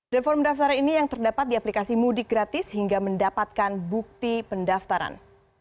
dan form pendaftaran ini yang terdapat di aplikasi mudik gratis hingga mendapatkan bukti pendaftaran